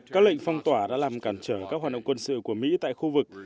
các lệnh phong tỏa đã làm cản trở các hoạt động quân sự của mỹ tại khu vực